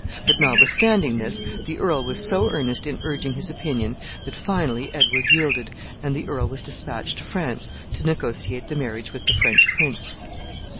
But, notwithstanding this, the earl was so earnest in urging his opinion, that finally Edward yielded, and the earl was dispatched to France to negotiate the marriage with the French prince.